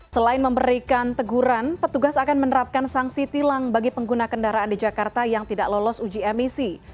selain memberikan teguran petugas akan menerapkan sanksi tilang bagi pengguna kendaraan di jakarta yang tidak lolos uji emisi